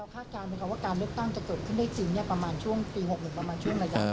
แปลว่าการเลือกตั้งจะเกิดขึ้นได้จริง